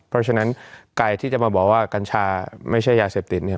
เพราะฉะนั้นไก่ที่จะมาบอกว่ากัญชาไม่ใช่ยาเสพติดเนี่ย